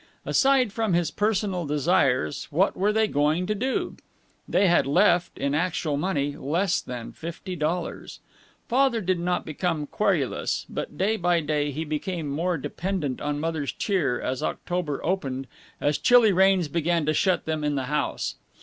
Aside from his personal desires, what were they going to do? They had left, in actual money, less than fifty dollars. Father did not become querulous, but day by day he became more dependent on Mother's cheer as October opened, as chilly rains began to shut them in the house.